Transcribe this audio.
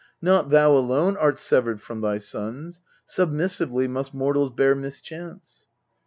Not thou alone art severed from thy sons. Submissively must mortals bear mischance.